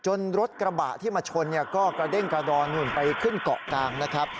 รถกระบะที่มาชนก็กระเด้งกระดอนหุ่นไปขึ้นเกาะกลางนะครับ